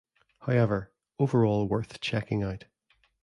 However, overall worth checking out.